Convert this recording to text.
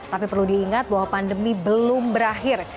tapi perlu diingat bahwa pandemi belum berakhir